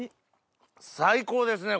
最高ですね